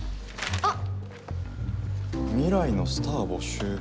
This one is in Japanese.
あっ。